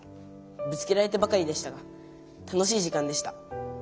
ぶつけられてばかりでしたが楽しい時間でした。